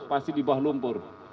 pasti di bawah lumpur